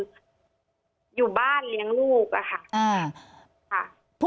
คุณยายก็